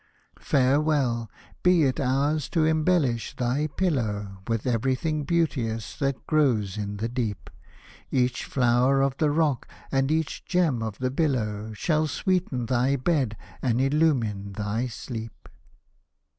Farewell — be it ours to embellish thy pillow With everything beauteous that grows in the deep ; Each flower of the rock and each gem of the billow Shall sweeten thy bed and illumine thy sleep.